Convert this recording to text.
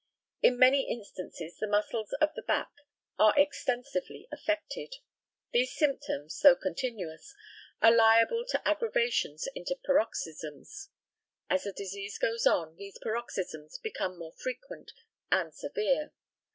In many instances the muscles of the back are extensively affected. These symptoms, though continuous, are liable to aggravations into paroxysms. As the disease goes on, these paroxysms become more frequent and severe.